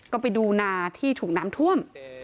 ก็ไปดูนาที่ถูกน้ำท่วม